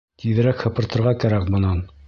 Тиҙерәк һыпыртырға кәрәк бынан.